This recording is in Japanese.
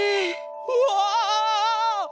うわ！